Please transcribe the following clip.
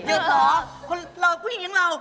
หยุดหรอคุณรอผู้หญิงอย่างเราไม่หยุด